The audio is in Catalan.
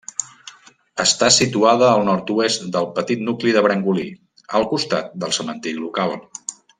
Està situada al nord-oest del petit nucli de Brangolí, al costat del cementiri local.